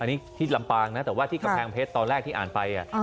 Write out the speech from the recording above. อันนี้ที่ลำปางนะแต่ว่าที่กำแพงเพชรตอนแรกที่อ่านไป